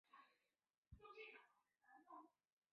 埃韦特萨勒贝尔人口变化图示